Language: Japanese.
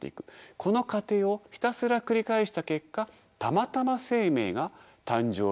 この過程をひたすら繰り返した結果たまたま生命が誕生しただけです。